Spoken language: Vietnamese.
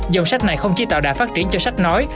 dòng sách này không chỉ tạo đà phát triển cho sách nói